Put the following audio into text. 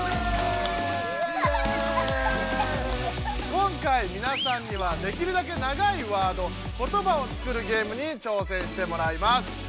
今回みなさんにはできるだけ長いワードことばを作るゲームに挑戦してもらいます。